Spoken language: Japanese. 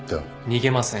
逃げません。